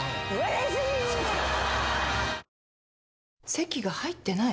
籍が入ってない？